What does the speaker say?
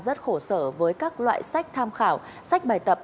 rất khổ sở với các loại sách tham khảo sách bài tập